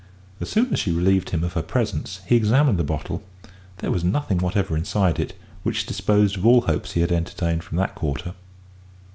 As soon as she relieved him of her presence, he examined the bottle: there was nothing whatever inside it, which disposed of all the hopes he had entertained from that quarter.